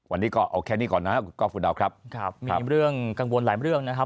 วันนี้ก็เอาแค่นี้ก่อนนะครับครับมีเรื่องกังวลหลายเรื่องนะครับ